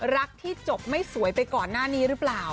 รักที่จบไม่สวยไปก่อนหน้านี้หรือเปล่า